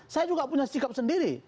saya juga punya sikap sendiri